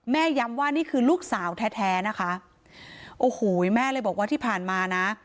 ย้ำว่านี่คือลูกสาวแท้แท้นะคะโอ้โหแม่เลยบอกว่าที่ผ่านมานะ